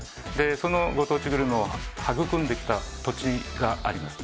そのご当地グルメを育んできた土地があります。